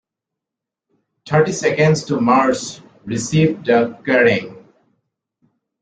Thirty Seconds to Mars received the Kerrang!